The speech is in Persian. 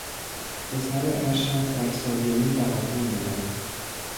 پسر ارشد بر سایرین تقدم دارد.